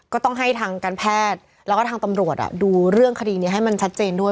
ก็ต้องให้ทางการแพทย์แล้วก็ทางตำรวจดูเรื่องคดีนี้ให้มันชัดเจนด้วย